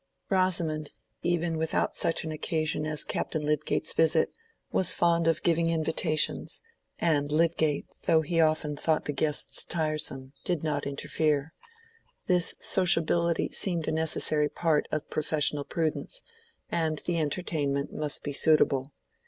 Rosamond, even without such an occasion as Captain Lydgate's visit, was fond of giving invitations, and Lydgate, though he often thought the guests tiresome, did not interfere. This sociability seemed a necessary part of professional prudence, and the entertainment must be suitable.